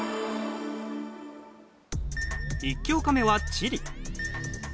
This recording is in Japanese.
１教科目は地理。